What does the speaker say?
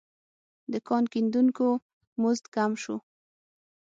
د کان کیندونکو مزد کم شو.